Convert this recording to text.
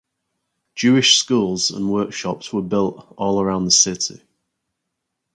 Jewish schools and workshops were built all around the city.